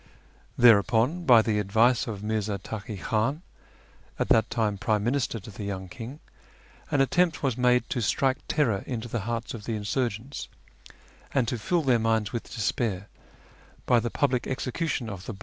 Thereupon, by the advice of Mirza Taki Khiin (at that time prime minister to the young king), an attempt was made to strike terror into the hearts of the insurgents, and to fill their minds with despair, by the public 62 A YEAR AMONGST THE PERSIANS execution of (lie r.